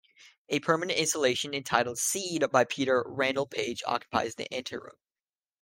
A permanent installation entitled "Seed", by Peter Randall-Page, occupies the anteroom.